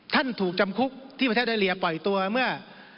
ท่านถูกจำคุกที่ประเทศได้เลียปล่อยตัวมาเมื่อ